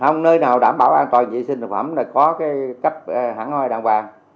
không nơi nào đảm bảo an toàn vệ sinh thực phẩm này có cái cấp hẳn hôi đàng hoàng